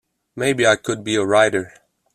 Maybe I could be a writer.